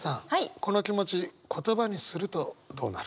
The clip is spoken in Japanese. この気持ち言葉にするとどうなる？